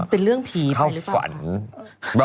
เป็นเรื่องผีไปหรือเปล่า